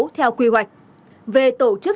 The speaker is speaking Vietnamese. theo quy hoạch về tổ chức